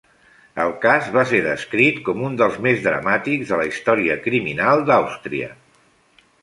El cas va ser descrit com un dels més dramàtics de la història criminal d'Àustria.